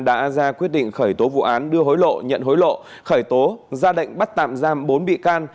đã ra quyết định khởi tố vụ án đưa hối lộ nhận hối lộ khởi tố ra lệnh bắt tạm giam bốn bị can